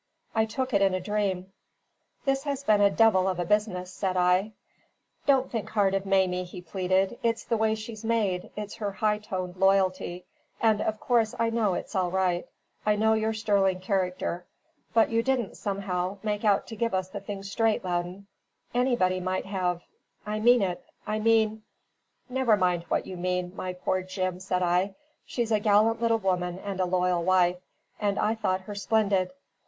I took it in a dream. "This has been a devil of a business," said I. "Don't think hard of Mamie," he pleaded. "It's the way she's made; it's her high toned loyalty. And of course I know it's all right. I know your sterling character; but you didn't, somehow, make out to give us the thing straight, Loudon. Anybody might have I mean it I mean " "Never mind what you mean, my poor Jim," said I. "She's a gallant little woman and a loyal wife: and I thought her splendid.